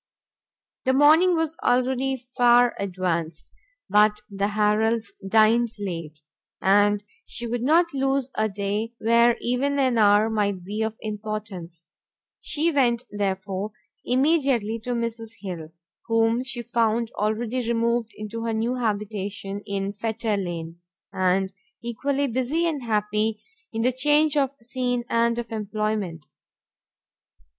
The morning was already far advanced, but the Harrels dined late, and she would not lose a day where even an hour might be of importance. She went therefore immediately to Mrs. Hill, whom she found already removed into her new habitation in Fetter lane, and equally busy and happy in the change of scene and of employment.